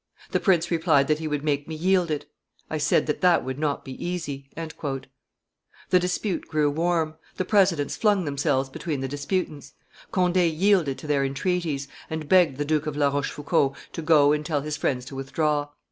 The prince replied that he would make me yield it. I said that that would not be easy." The dispute grew warm; the presidents flung themselves between the disputants; Conde yielded to their entreaties, and begged the Duke of La Rochefoucauld to go and tell his friends to withdraw.